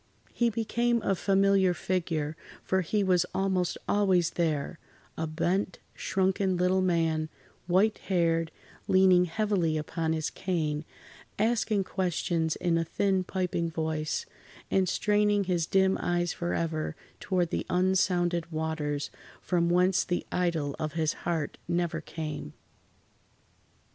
He became a familiar figure, for he was almost always there—a bent, shrunken little man, white haired, leaning heavily upon his cane, asking questions in a thin piping voice, and straining his dim eyes forever toward the unsounded waters, from whence the idol of his heart never came.